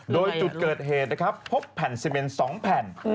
โดยจุดเกิดเหตุพบแผ่นสิเมนสองแผ่น